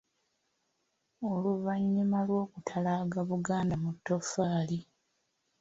Oluvannyuma lw’okutalaaga Buganda mu Ttoffaali.